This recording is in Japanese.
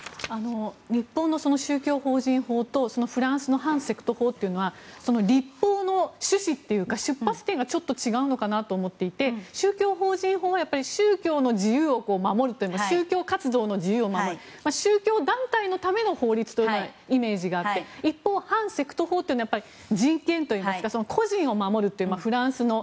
日本の宗教法人法とフランスの反セクト法は立法の趣旨というか出発点が違うのかなと思っていて日本の宗教法人法は宗教の自由を守るというか宗教活動の自由を守る宗教団体のための法律というイメージがあって一方、反セクト法というのは人権といいますか個人を守るというフランスの。